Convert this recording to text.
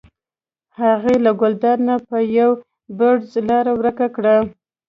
هغې له ګلداد نه په یو بړچ لاره ورکه کړه.